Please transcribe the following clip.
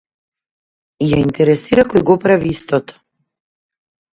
Ја интересира кој го прави истото